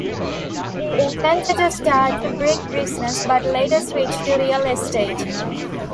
He intended to start a brick business but later switched to real estate.